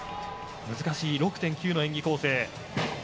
難しい６．９の演技構成。